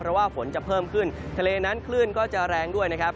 เพราะว่าฝนจะเพิ่มขึ้นทะเลนั้นคลื่นก็จะแรงด้วยนะครับ